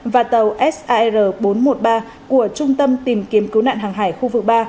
và tàu sar bốn trăm một mươi ba của trung tâm tìm kiếm cứu nạn hàng hải khu vực ba